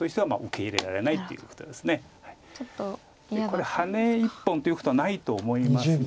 これハネ１本ということはないと思いますので。